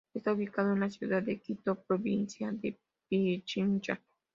Está ubicado en la ciudad de Quito, provincia de Pichincha.